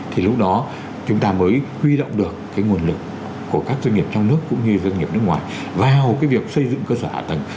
thì lúc đó chúng ta mới huy động được cái nguồn lực của các doanh nghiệp trong nước cũng như doanh nghiệp nước ngoài vào cái việc xây dựng cơ sở hạ tầng